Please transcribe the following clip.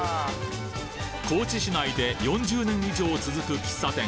高知市内で４０年以上続く喫茶店